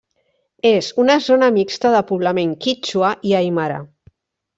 És una zona mixta de poblament quítxua i aimara.